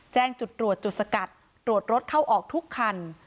แจ้งจุดตรวจจุดสกัดตรวจรถเข้าออกทุกคัน